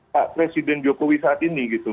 pak presiden jokowi saat ini gitu